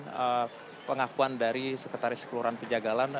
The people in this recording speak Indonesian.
dan pengakuan dari sekretaris sekolah penjagaan